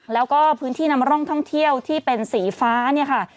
แล้วก็พื้นที่นำร่องท่องเที่ยวที่เป็นสีฟ้าเนี่ยค่ะ